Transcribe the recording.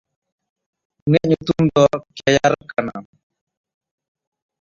ᱩᱱᱤᱭᱟᱜ ᱧᱩᱛᱩᱢ ᱫᱚ ᱠᱮᱭᱟᱭᱨ ᱠᱟᱱᱟ᱾